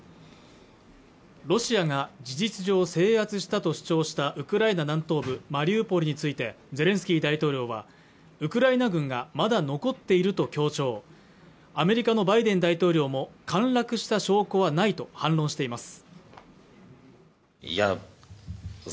ロシアが事実上制圧したと主張したウクライナ南東部マリウポリについてゼレンスキー大統領はウクライナ軍がまだ残っていると強調アメリカのバイデン大統領も陥落した証拠はないと反論しています